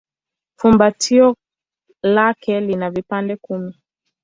Fumbatio lake lina vipande kumi.